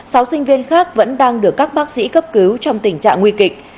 sáu sinh viên khác vẫn đang được các bác sĩ cấp cứu trong tình trạng nguy kịch